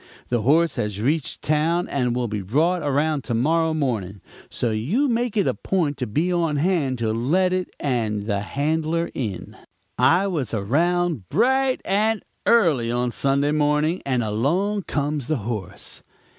The horse has reached town and will be brought around to morrow morning; so you make it a point to be on hand to let it and the handler in.' "I was around bright and early on Sunday morning, and along comes the horse.